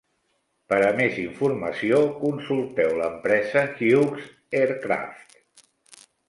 Per a més informació, consulteu l'empresa Hughes Aircraft.